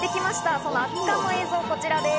その圧巻の映像がこちらです。